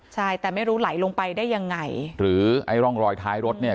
ใช่แต่ไม่รู้ไหลลงไปได้ยังไงหรือไอ้ร่องรอยท้ายรถเนี่ย